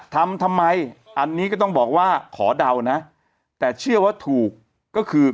ทำทำไมอันนี้ก็ต้องบอกว่าขอเดานะแต่เชื่อว่าถูกก็คือ